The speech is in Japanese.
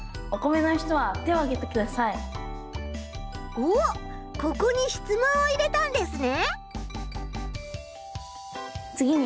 おっここにしつもんを入れたんですね。